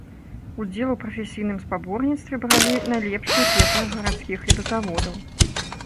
Удзел у прафесійным спаборніцтве бралі найлепшыя пекары гарадскіх хлебазаводаў.